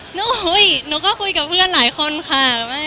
หนูก็คุยกับเพื่อนหลายคนค่ะ